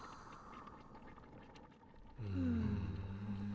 うん。